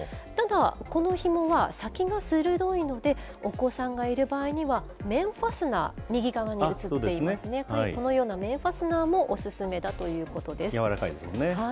ただ、このひもは先が鋭いので、お子さんがいる場合には、面ファスナー、右側に写っていますね、このような面ファスナーもお勧めだということです。